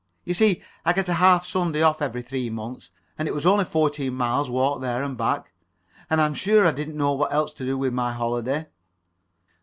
You see, I get a half Sunday off every three months, and it was only a fourteen mile walk there and back. And I'm sure I didn't know what else to do with my holiday."